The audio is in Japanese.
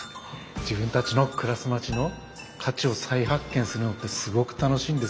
自分たちの暮らす街の価値を再発見するのってすごく楽しいんですよ。